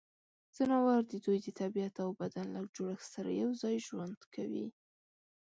ځناور د دوی د طبعیت او بدن له جوړښت سره یوځای ژوند کوي.